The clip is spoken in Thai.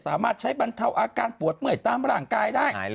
สามารถใช้บรรเทาอาการปวดเมื่อยตามร่างกายได้